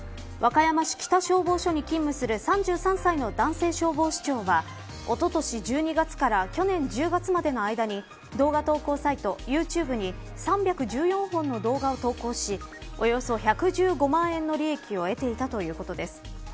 和歌山市北消防署に勤務する３３歳の男性消防士長はおととし１２月から去年１０月までの間に動画投稿サイトＹｏｕＴｕｂｅに３１４本の動画を投稿し、およそ１１５万円の利益を得ていたということです。